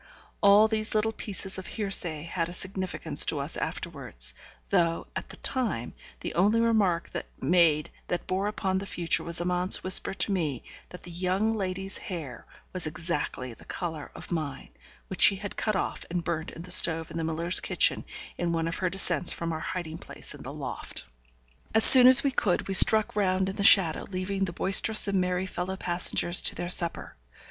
All these little pieces of hearsay had a significance to us afterwards, though, at the time, the only remark made that bore upon the future was Amante's whisper to me that the young lady's hair was exactly the colour of mine, which she had cut off and burnt in the stove in the miller's kitchen in one of her descents from our hiding place in the loft. As soon as we could, we struck round in the shadow, leaving the boisterous and merry fellow passengers to their supper.